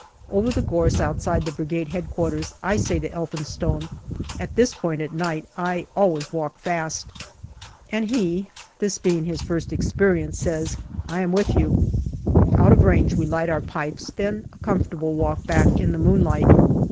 Over the gorse outside the Brigade H.Q. I say to Elphinstone, " At this point at night I always walk fast/' and he, this being his first experience, says, " I am with you." Out of range we light our pipes, then a comfortable walk back in the moonlight.